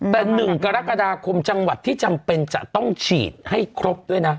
แต่๑กรกฎาคมจังหวัดที่จำเป็นจะต้องฉีดให้ครบด้วยนะ